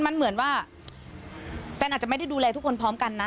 มันเหมือนว่าแตนอาจจะไม่ได้ดูแลทุกคนพร้อมกันนะ